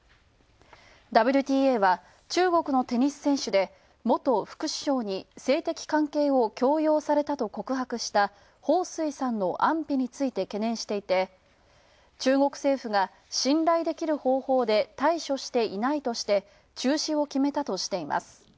ＷＴＡは中国のテニス選手で性的関係を強要されたと告白した、彭帥さんの安否について懸念していて中国政府が信頼できる方法で対処していないとして中止を決めたとしています。